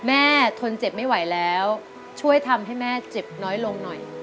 ทนเจ็บไม่ไหวแล้วช่วยทำให้แม่เจ็บน้อยลงหน่อย